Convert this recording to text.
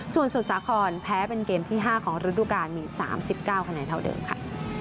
ส่วนสุดสาขอนแพ้เป็นเกมที่ห้าของฤดูกามีสามสิบเก้าไขน่เท่าเดิมค่ะ